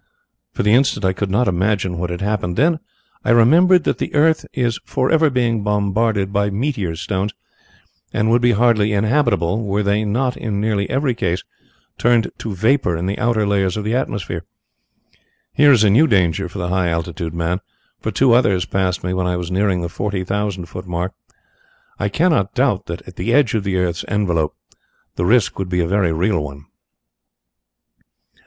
For the instant I could not imagine what had happened. Then I remembered that the earth is for ever being bombarded by meteor stones, and would be hardly inhabitable were they not in nearly every case turned to vapour in the outer layers of the atmosphere. Here is a new danger for the high altitude man, for two others passed me when I was nearing the forty thousand foot mark. I cannot doubt that at the edge of the earth's envelope the risk would be a very real one.